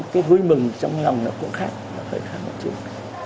cái vui mừng trong lòng nó cũng khác nó hơi khác một chút